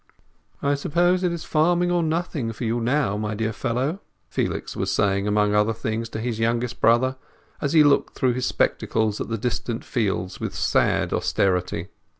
"I suppose it is farming or nothing for you now, my dear fellow," Felix was saying, among other things, to his youngest brother, as he looked through his spectacles at the distant fields with sad austerity.